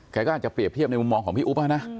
เขาก็อาจเปรียบเทียบในมุมลองของพี่อุ๊บนะ